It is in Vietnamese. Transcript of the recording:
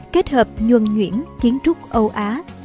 kết hợp nhuân nhuyễn kiến trúc âu á